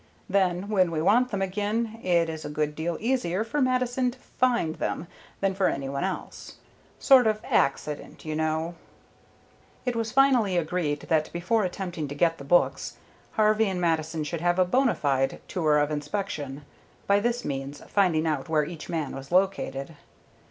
Then, when we want them again, it is a good deal easier for Mattison to find them than for any one else. Sort of accident, you know." It was finally agreed that before attempting to get the books, Harvey and Mattison should make a bona fide tour of inspection, by this means finding out where each man was located.